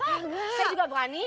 aduh kak rani